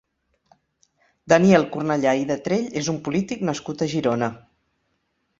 Daniel Cornellà i Detrell és un polític nascut a Girona.